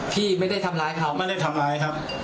ที่ไม่ได้ทำร้ายเขาไม่ได้ทำร้ายครับ